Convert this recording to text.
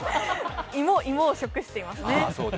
芋を食していますね。